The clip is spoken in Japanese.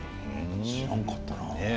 知らなかったな。